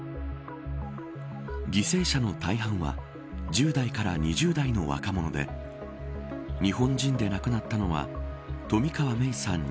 犠牲者の大半は１０代から２０代の若者で日本人で亡くなったのは冨川芽生さん